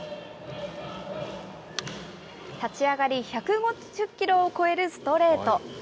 立ち上がり、１５０キロを超えるストレート。